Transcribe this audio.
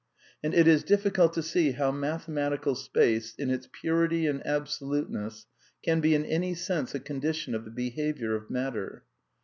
And it is difficult to see how mathematical space in its purity and absoluteness can be in any sense a condition of the behaviour of matter.